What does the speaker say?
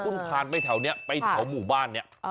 คือถ้าคุณผ่านไปแถวหมู่บ้านนี้